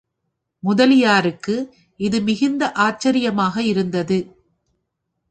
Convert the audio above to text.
முதலியாருக்கு இது மிகுந்த ஆச்சரியமாக இருந்தது.